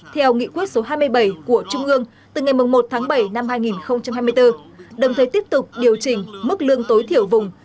theo nghị quyết số hai mươi bảy của trung ương từ ngày một tháng bảy năm hai nghìn hai mươi bốn đồng thời tiếp tục điều chỉnh mức lương tối thiểu vùng